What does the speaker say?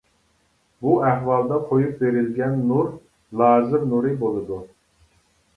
بۇ ئەھۋالدا قويۇپ بېرىلگەن نۇر لازېر نۇرى بولىدۇ.